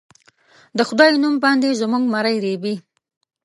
د خدای نوم باندې زموږه مرۍ رېبي